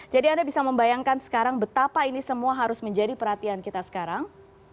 jadi anda bisa membayangkan sekarang betapa ini semua harus menjadi perhatian kita sekarang